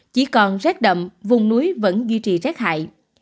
chỉ còn rét đậm vùng núi vẫn duy trì rét hại